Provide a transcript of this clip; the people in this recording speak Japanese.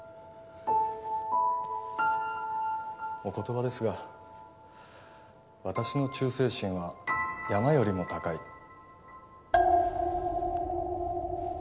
お言葉ですが私の忠誠心は山よりも高い。